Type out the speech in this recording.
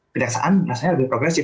kejaksaan rasanya lebih progresif